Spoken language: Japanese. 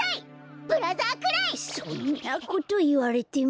そんなこといわれても。